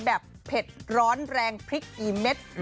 เผ็ดร้อนแรงพริกอีเม็ด